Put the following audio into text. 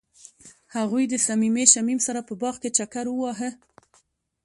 هغوی د صمیمي شمیم سره په باغ کې چکر وواهه.